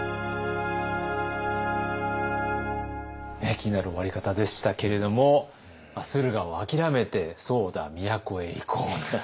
気になる終わり方でしたけれども駿河をあきらめてそうだ都へ行こう。